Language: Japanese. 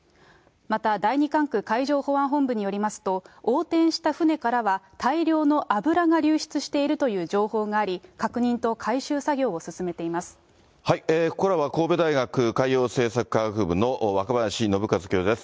また、第２管区海上保安本部によりますと、横転した船からは大量の油が流出しているという情報があり、ここからは、神戸大学海洋政策科学部の若林伸和教授です。